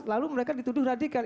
lalu mereka dituduh radikal